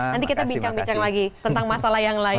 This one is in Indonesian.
nanti kita bincang bincang lagi tentang masalah yang lain